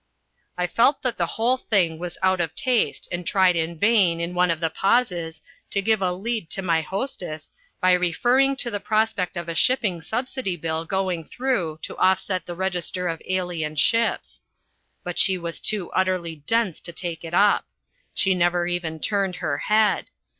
I felt that the whole thing was out of taste and tried in vain, in one of the pauses, to give a lead to my hostess by referring to the prospect of a shipping subsidy bill going through to offset the register of alien ships. But she was too utterly dense to take it up. She never even turned her head.